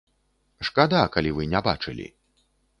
Шкада, калі вы не бачылі!